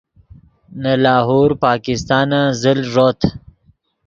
نے لاہور پاکستانن زل ݱوت